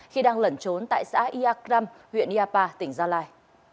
khi đang lẩn trốn tại xã ia kram huyện ia pa tỉnh gia lai